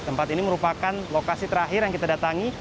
tempat ini merupakan lokasi terakhir yang kita datangi